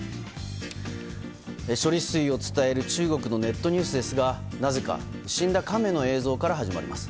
処理水を伝える中国のネットニュースですがなぜか死んだカメの映像から始まります。